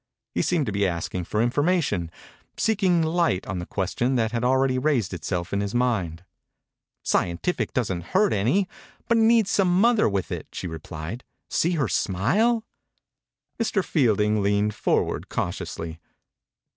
He seemed to be asking for information; seeking light on a question that had already raised itself in his mind. «< Scientific' doesn't hurt any, but it needs some mother with it," she replied. « See her smile I " Mr. Fielding leaned forward cautiously.